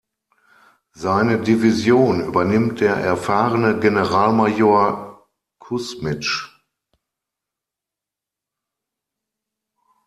Seine Division übernimmt der erfahrene Generalmajor Kusmitsch.